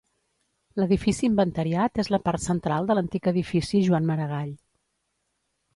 L'edifici inventariat és la part central de l'antic edifici Joan Maragall.